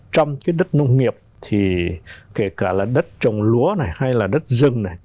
trong cái đất nông nghiệp thì kể cả là đất trồng lúa này hay là đất rừng này